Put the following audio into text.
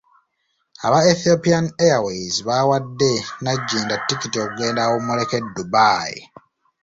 Aba Ethiopian Airways baawadde Nagginda ttikiti okugenda awummuleko e Dubai.